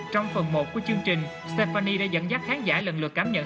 trong phần một của chương trình sanpmany đã dẫn dắt khán giả lần lượt cảm nhận